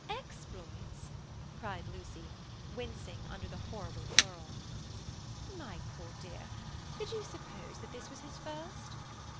"Exploits?" cried Lucy, wincing under the horrible plural. "My poor dear, did you suppose that this was his first?